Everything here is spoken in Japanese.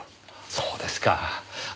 そうですか。